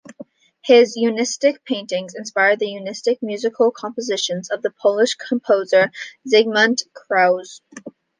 His Unistic paintings inspired the unistic musical compositions of the Polish composer Zygmunt Krauze.